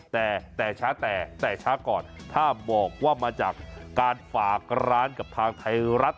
แต่ช้าก่อนถ้าบอกว่ามาจากการฝากร้านกับทางไทยรัฐ